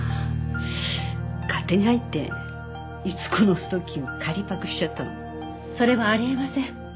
勝手に入って逸子のストッキング借りパクしちゃったの。それはあり得ません。